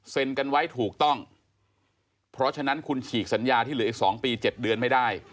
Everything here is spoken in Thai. กันไว้ถูกต้องเพราะฉะนั้นคุณฉีกสัญญาที่เหลืออีก๒ปี๗เดือนไม่ได้